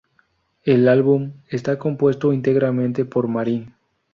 El álbum está compuesto íntegramente por Marín.